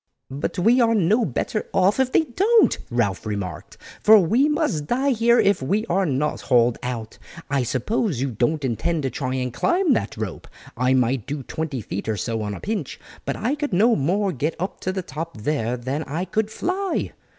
"But we are no better off if they don't," Ralph remarked, "for we must die here if we are not hauled out. I suppose you don't intend to try and climb that rope. I might do twenty feet or so on a pinch, but I could no more get up to the top there than I could fly."